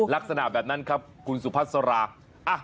ลักษณะแบบนั้นครับคุณสุพัสรา